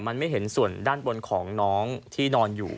มันไม่เห็นส่วนด้านบนของน้องที่นอนอยู่